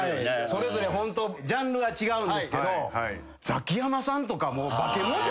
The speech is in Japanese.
それぞれホントジャンルが違うんですけどザキヤマさんとか化けもんじゃないっすか？